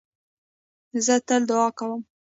زه تل دؤعا کوم.